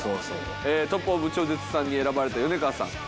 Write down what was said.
トップ・オブ・超絶さんに選ばれた米川さん